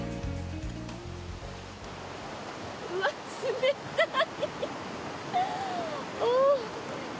うわっ、冷たい！